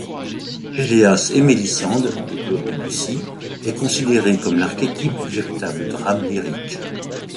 Pelléas et Mélisande de Claude Debussy est considéré comme l'archétype du véritable drame lyrique.